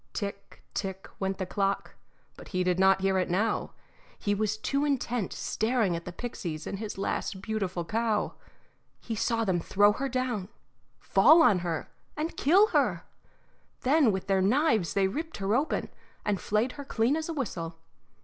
Tick, tick, went the clock, but he did not hear it now. He was too intent staring at the pixies and his last beautiful cow. He saw them throw her down, fall on her, and kill her; then with their knives they ripped her open, and flayed her as clean as a whistle.